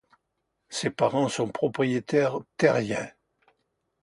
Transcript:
Ses parents sont propriétaires terriens.